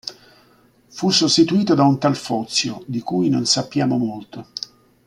Fu sostituito da un tal Fozio, di cui non sappiamo molto.